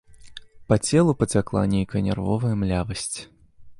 Па целу пацякла нейкая нервовая млявасць.